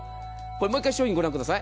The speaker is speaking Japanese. もう１回、商品をご覧ください。